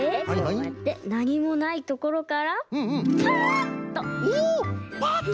こうやってなにもないところからパッと！